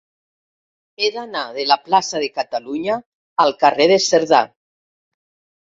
He d'anar de la plaça de Catalunya al carrer de Cerdà.